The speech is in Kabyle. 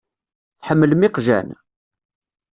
Tḥemmlem iqjan?